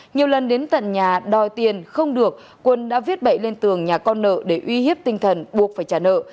nhiều lần đến tận nhà đòi tiền không được quân đã viết bậy lên tường nhà con nợ để uy hiếp tinh thần buộc phải trả nợ